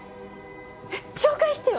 えっ紹介してよ！